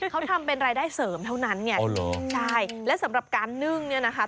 เขาทำเป็นรายได้เสริมเท่านั้นไงอ๋อเหรอใช่และสำหรับการนึ่งเนี่ยนะคะ